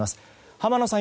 浜野さん